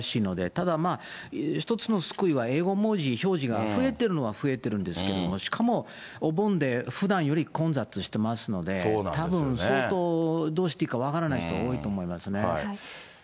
ただ、一つの救いは、英語文字表示が増えてるのは増えてるんですけど、しかもお盆でふだんより混雑してますので、たぶん相当どうしていいか分からない人、多いと思いますね。